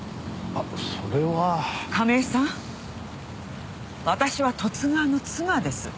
私は十津川の妻です。